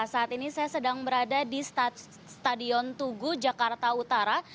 saat ini saya sedang berada di stadion tugu jakarta utara